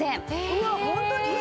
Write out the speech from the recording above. うわっホントに？